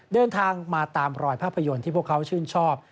เดินทางมาตามรอยภาพยนตร์ที่พวกเขาชื่นชอบ